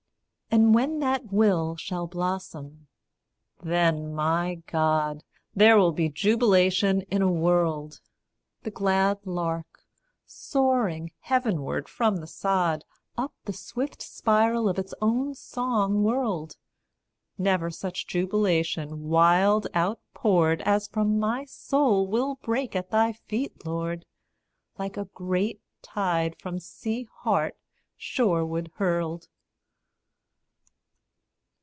And when that will shall blossom then, my God, There will be jubilation in a world! The glad lark, soaring heavenward from the sod, Up the swift spiral of its own song whirled, Never such jubilation wild out poured As from my soul will break at thy feet, Lord, Like a great tide from sea heart shoreward hurled.